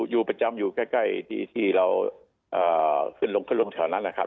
อยู่ประจำอยู่ใกล้ที่เราขึ้นลงแถวนั้นนะครับ